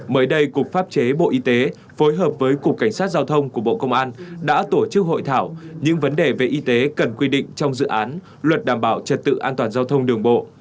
mới đây cục pháp chế bộ y tế phối hợp với cục cảnh sát giao thông của bộ công an đã tổ chức hội thảo những vấn đề về y tế cần quy định trong dự án